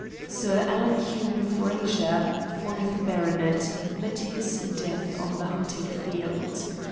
Sir Alan Hume Frazer, fourth baronet, met his death on the hunting field.